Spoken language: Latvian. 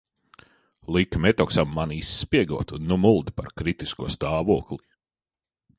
"Liki Metoksam mani izspiegot un nu muldi par "kritisko stāvokli"?"